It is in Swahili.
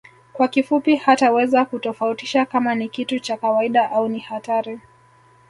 Kwa kifupi hataweza kutofautisha kama ni kitu cha kawaida au ni hatari